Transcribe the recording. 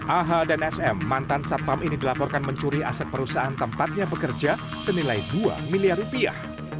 aha dan sm mantan satpam ini dilaporkan mencuri aset perusahaan tempatnya bekerja senilai dua miliar rupiah